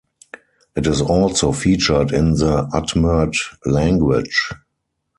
It is also featured in the Udmurt language.